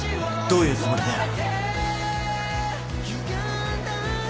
どういうつもりだよ。